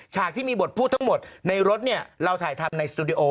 ฉากที่มีบทพูดทั้งหมดในรถเนี่ยเราถ่ายทำในสตูดิโอ